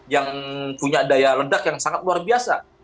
yang punya daya ledak yang sangat luar biasa